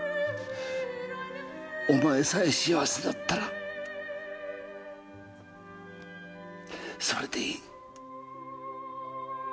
お前さえ幸せだったらそれでいい。